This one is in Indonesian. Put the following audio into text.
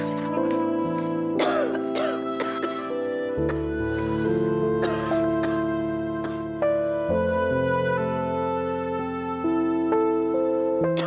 ya saya lakukan